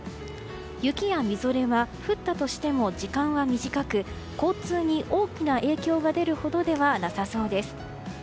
雪やみぞれは降ったとしても時間は短く交通に大きな影響が出るほどではなさそうです。